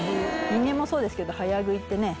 人間もそうですけど早食いってね